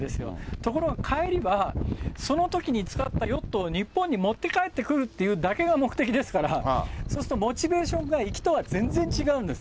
ところが帰りは、そのときに使ったヨットを日本に持って帰ってくるというだけが目的ですから、そうすると、モチベーションが行きとは全然違うんです。